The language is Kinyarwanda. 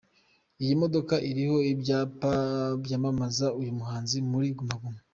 Iyi modoka iriho ibyapa byamamaze uyu muhanzi muri Guma Guma.